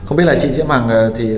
không biết là chị giang hằng